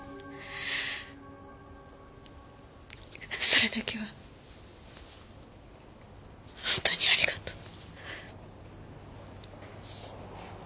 それだけは本当にありがとう。